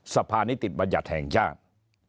สะพานิติบประหยัดแห่งญาติ